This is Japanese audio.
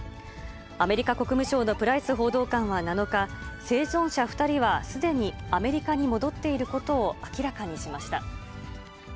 アメリカ国務省のプライス報道官は７日、生存者２人はすでにアメリカに戻っていることを明らかにしました。